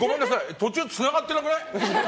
途中つながってなくない？